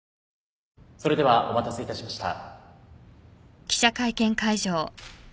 それではお待たせいたしました。